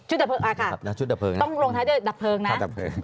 ชุดดับเพลิงนะ